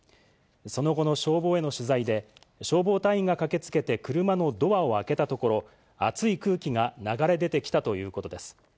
その後の消防への取材で、消防隊員が駆けつけて車のドアを開けたところ、熱い空気が流れ出てきたということです。